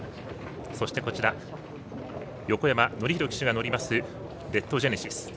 そして、横山典弘騎手が乗りますレッドジェネシス。